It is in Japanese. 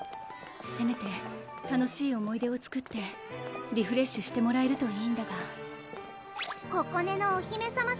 せめて楽しい思い出を作ってリフレッシュしてもらえるといいんだがここねのお姫さま